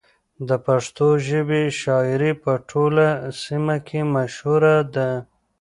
د پښتو ژبې شاعري په ټوله سیمه کې مشهوره ده.